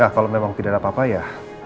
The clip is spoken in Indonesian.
kalau memang tidak ada apa apa ya